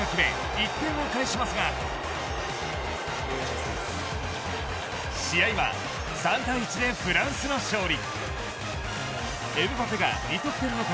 １点を返しますが試合は３対１でフランスの勝利。